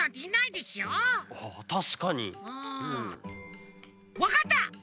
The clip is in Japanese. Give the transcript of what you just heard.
うんわかった！